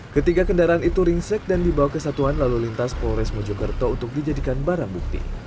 ketiga kendaraan itu ringsek dan dibawa ke satuan lalu lintas polres mojokerto untuk dijadikan barang bukti